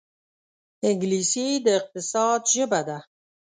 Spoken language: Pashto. انګلیسي د اقتصاد ژبه ده